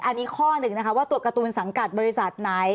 อันนี้ข้อหนึ่งนะคะว่าตัวการ์ตูนสังกัดบริษัทไหน